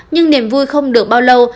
nhưng niềm vui không được bao lâu